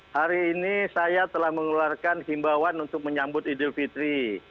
hari ini saya telah mengeluarkan himbawan untuk menyambut idul fitri